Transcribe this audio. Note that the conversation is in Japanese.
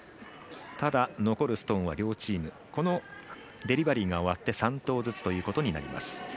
ただ、残るストーンは両チームこのデリバリーが終わって３投ずつということになります。